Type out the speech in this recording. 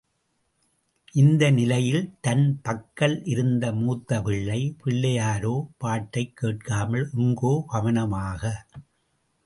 இந்த நிலையில் தன் பக்கல் இருந்த மூத்த பிள்ளை, பிள்ளையாரோ பாட்டைக் கேட்காமல் எங்கோ கவனமாக.